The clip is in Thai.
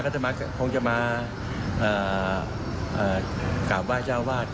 เขาคงจะมากราบว่าเจ้าวาด